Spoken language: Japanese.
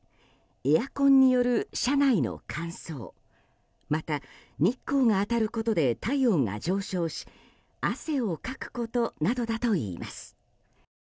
エアコンによる車内の乾燥また、日光が当たることで体温が上昇し汗をかくことなどだといいます。